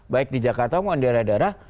baik di jakarta maupun daerah daerah